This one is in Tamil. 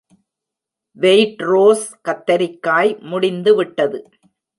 வெய்ட்ரோஸ் கத்தரிக்காய் முடிந்துவிட்டது